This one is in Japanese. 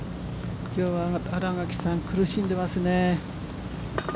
きょうは新垣さん、苦しんでいますね。